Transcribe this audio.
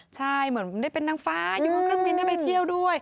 ใช่เหมือนได้เป็นนางฟ้าอยู่บนเครื่องบินได้ไปเที่ยวด้วย